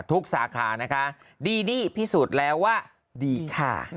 สาขานะคะดีดี้พิสูจน์แล้วว่าดีค่ะ